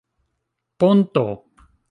ponto